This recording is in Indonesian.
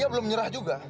nyi belum nyerah juga